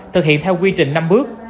thực hiện theo quy trình năm bước